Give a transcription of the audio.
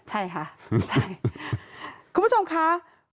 ใช่ค่ะใช่คุณผู้ชมค่ะ